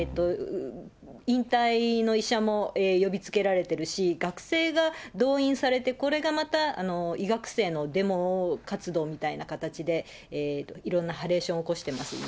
引退の医者も呼びつけられてるし、学生が動員されて、これがまた医学生のデモ活動みたいな形で、いろんなハレーションを起こしてます、今。